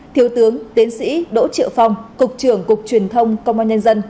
thiếu tướng tiến sĩ đỗ triệu phong cục trưởng cục truyền thông công an nhân dân